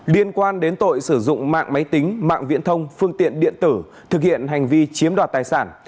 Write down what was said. liên quan đến tội sử dụng mạng máy tính mạng viễn thông phương tiện điện tử thực hiện hành vi chiếm đoạt tài sản